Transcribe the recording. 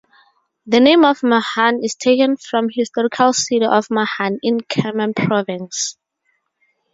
The name of Mahan is taken from historical city of Mahan in Kerman Province.